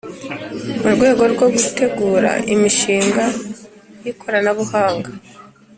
mu rwego rwo gutegura imishinga y’ikoranabuhanga